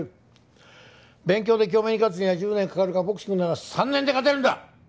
勉強で京明に勝つには１０年かかるがボクシングなら３年で勝てるんだ！